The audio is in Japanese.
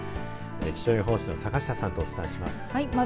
気象予報士の坂下さんとお伝えします。